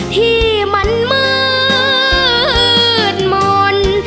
ที่มันมืดมนต์